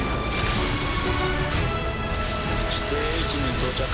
指定位置に到着。